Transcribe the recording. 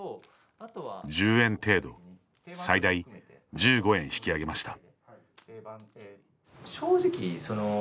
１０円程度最大１５円引き上げました。